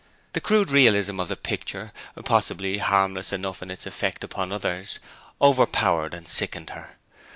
The crude realism of the picture, possibly harmless enough in its effect upon others, overpowered and sickened her.